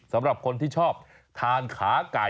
สำหรับคนที่ชอบทานขาไก่